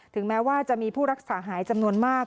แม้ว่าจะมีผู้รักษาหายจำนวนมาก